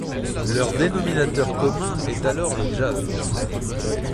Leur dénominateur commun est alors le jazz.